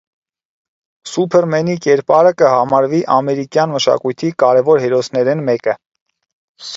Սուփըրմէնի կերպարը կը համարուի ամերիկեան մշակոյթի կարեւոր հերոսներէն մէկը։